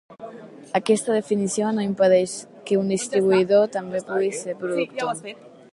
Aquesta definició no impedeix que un distribuïdor també pugui ser productor.